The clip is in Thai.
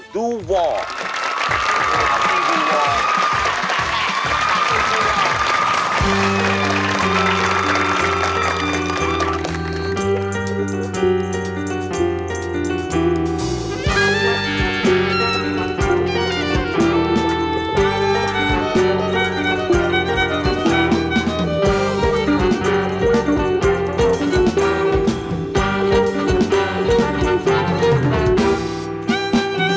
สวัสดีครับ